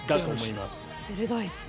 鋭い。